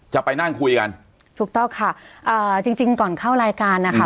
จะไปนั่งคุยกันถูกต้องค่ะเอ่อจริงจริงก่อนเข้ารายการนะคะ